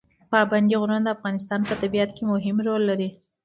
پابندی غرونه د افغانستان په طبیعت کې مهم رول لري.